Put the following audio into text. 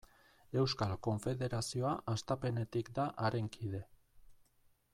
Euskal Konfederazioa hastapenetik da haren kide.